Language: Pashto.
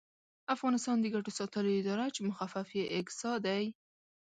افغانستان د ګټو ساتلو اداره چې مخفف یې اګسا دی